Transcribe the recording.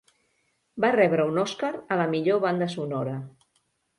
Va rebre un Oscar a la millor banda sonora.